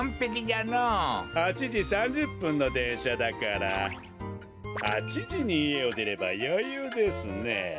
８じ３０ぷんのでんしゃだから８じにいえをでればよゆうですね。